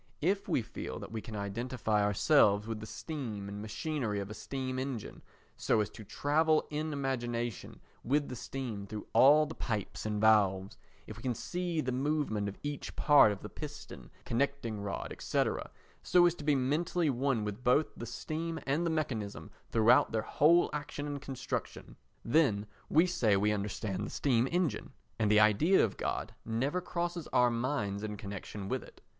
If we feel that we can identify ourselves with the steam and machinery of a steam engine, so as to travel in imagination with the steam through all the pipes and valves, if we can see the movement of each part of the piston, connecting rod, &c., so as to be mentally one with both the steam and the mechanism throughout their whole action and construction, then we say we understand the steam engine, and the idea of God never crosses our minds in connection with it.